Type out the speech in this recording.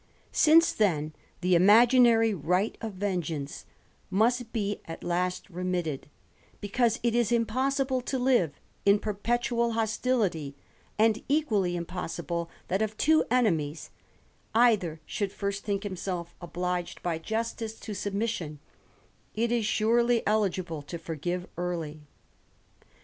Since then the imaginary right of vengeance must be at last remitted, because it is impossible to live in perpetual y, ^hostility, and equally impossible that of two enemies, either ■M^buld first think himself obhged by justice to submission, ^^■b surely eligible to forgive early.